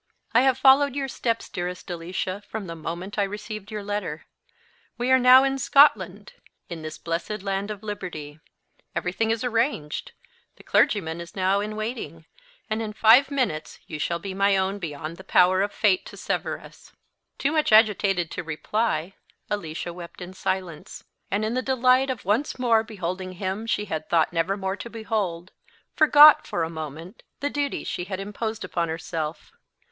"I have followed your steps, dearest Alicia, from the moment I received your letter. We are now in Scotland in this blessed land of liberty. Everything is arranged; the clergyman is now in waiting; and in five minutes you shall be my own beyond the power of fate to sever us." Too much agitated to reply, Alicia wept in silence; and in the delight of once more beholding him she had thought never more to behold, forgot, for a moment, the duty she had imposed upon herself.